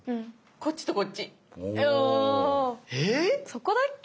そこだっけ？